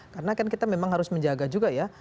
karena kan kita memang harus menjaga juga ya